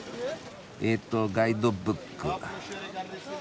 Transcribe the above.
えっとガイドブック。